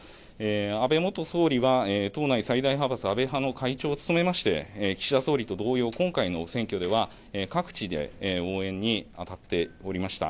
安倍元総理は党内最大派閥安倍派の会長を務めまして岸田総理どうよう今回の選挙では各地に応援に当たっておりました。